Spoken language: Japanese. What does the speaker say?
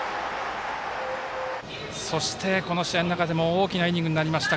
そして、この試合の中でも大きなイニングになりました